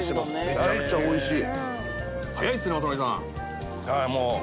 めちゃくちゃおいしい。